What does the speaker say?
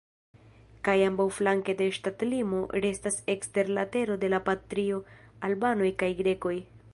Kaj ambaŭflanke de ŝtatlimo restas ekster la tero de la patrio albanoj kaj grekoj.